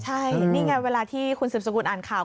ใช่นี่ไงเวลาที่คุณสืบสกุลอ่านข่าว